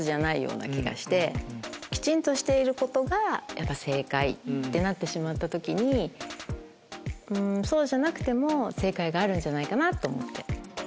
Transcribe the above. きちんとしていることが正解ってなってしまった時にそうじゃなくても正解があるんじゃないかなと思って。